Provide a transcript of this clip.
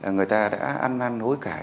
người ta đã ăn năn hối cải